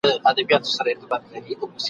حرص او غرور !.